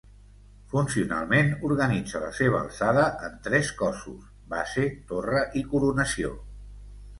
Funcionalment organitza la seva alçada en tres cossos; base, torre i coronació.